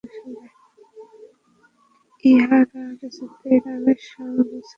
ইঁহারা কিছুতেই রামের সঙ্গ ছাড়িতে চাহিলেন না।